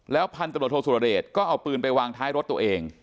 แล้วพันธบทศุษศุรเดชก็เอาปืนไปวางท้ายรถตัวเอง